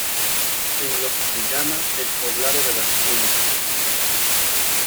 En lo que se llama el Poblado de Las Cumbres.